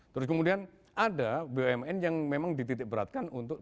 terus kemudian ada bumn yang memang dititik beratkan untuk